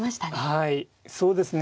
はいそうですね。